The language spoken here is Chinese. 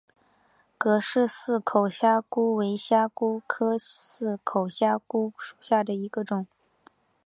葛氏似口虾蛄为虾蛄科似口虾蛄属下的一个种。